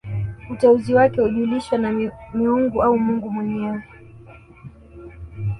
Uteuzi wake hujulishwa na miungu au mungu mwenyewe